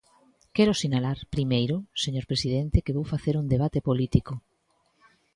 Quero sinalar, primeiro, señor presidente, que vou facer un debate político.